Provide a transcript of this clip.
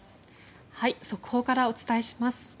速報からお伝えします。